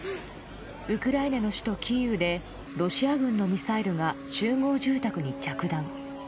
ウクライナの首都キーウでロシア軍のミサイルが集合住宅に着弾。